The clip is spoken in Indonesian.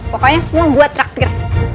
pokoknya semua buat traktir